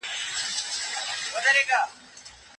آیا وطن ته تلل ستاسو په پلان کي شته؟